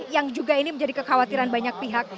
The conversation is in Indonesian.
yang juga ini menjadi kekhawatiran banyak pihak